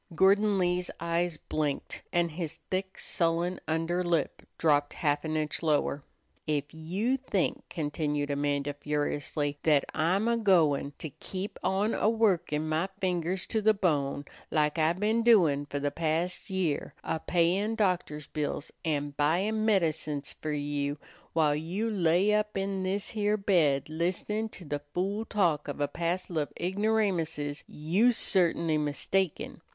Gordon Lee's eyes blinked, and his thick, sullen under lip dropped half an inch lower. "Ef you think," continued Amanda, furiously, "that I'm a goin' to keep on a workin' my fingers to the bone, lak I been doin' for the past year, a payin' doctors' bills, an' buyin' medicines fer you, while you lay up in this here bed listenin' to the fool talk of a passel of igneramuses, you's certainly mistaken.